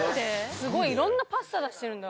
すごい色んなパスタ出してるんだ。